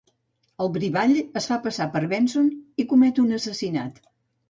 El brivall es fa passar per Benson i comet un assassinat.